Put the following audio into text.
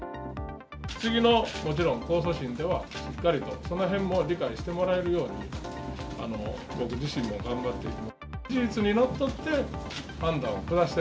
次のもちろん控訴審では、しっかりとそのへんも理解してもらえるように、僕自身も頑張っていきます。